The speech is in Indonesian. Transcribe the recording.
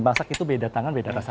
masak itu beda tangan beda rasa